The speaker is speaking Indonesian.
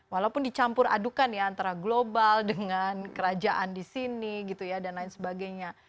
walaupun dicampur adukan ya antara global dengan kerajaan di sini gitu ya dan lain sebagainya